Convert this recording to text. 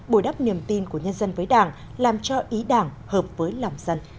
bồi đắp niềm tin của nhân dân với đảng làm cho ý đảng hợp với lòng dân